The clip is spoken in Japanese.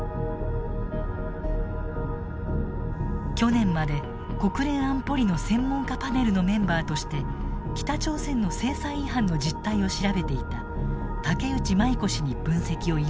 去年まで国連安保理の専門家パネルのメンバーとして北朝鮮の制裁違反の実態を調べていた竹内舞子氏に分析を依頼した。